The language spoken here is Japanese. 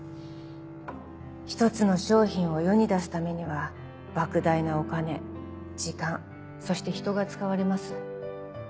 一つの商品を世に出すためには莫大なお金時間そして人が使われます。